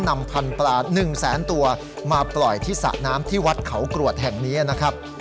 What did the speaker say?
นำพันธุ์ปลา๑แสนตัวมาปล่อยที่สระน้ำที่วัดเขากรวดแห่งนี้นะครับ